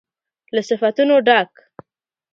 له صفتونو ډک